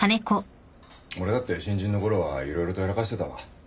俺だって新人の頃は色々とやらかしてたわ。